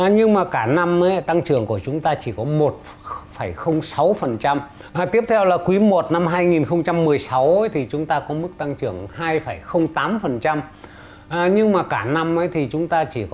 nhưng mà cả năm thì chúng ta chỉ có mức tăng trưởng bốn mươi bốn